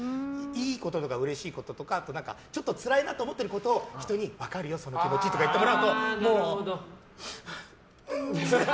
いいこととか嬉しいこととかあとは、ちょっとつらいなと思ってることを、人に分かるよ、その気持ちとか言ってもらうと、もう。